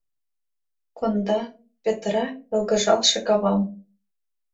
Конда, петыра йылгыжалше кавам.